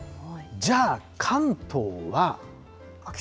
じゃあ、関東は？